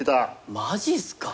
マジっすか？